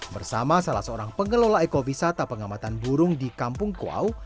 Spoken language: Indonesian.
bersama salah seorang pengelola ekowisata pengamatan burung di kampung kuau